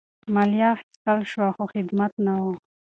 مالیه اخیستل شوه خو خدمت نه وو.